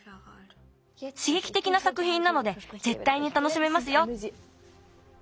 しげきてきなさくひんなのでぜったいにたのしめますよ。